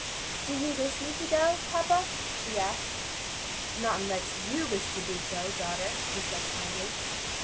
"Do you wish me to go, papa?" she asked. "Not unless you wish to do so, daughter," he said kindly.